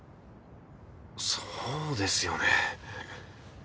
そうですよね。